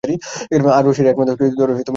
আর রশির এক প্রান্ত তিনি নিজে ধরে রাখতেন।